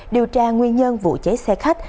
điều tra nguyên nhân vụ cháy xe khách